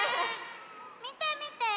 みてみて。